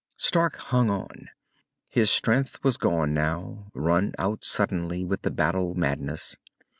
Stark hung on. His strength was gone now, run out suddenly with the battle madness.